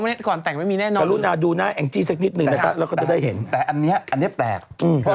พี่สาวก็รุมไปสัมภาษณ์แจมที่งานไปสดีบัตรเมื่อกี้แล้วค่ะ